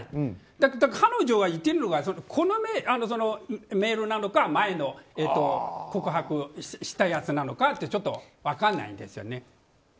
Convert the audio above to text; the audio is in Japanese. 彼女が言っているのはこのメールなのか前の告白したやつなのかちょっと分からないんですよね。